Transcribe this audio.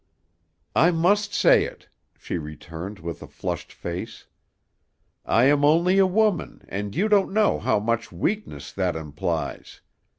"I must say it," she returned, with a flushed face; "I am only a woman, and you don't know how much weakness that implies.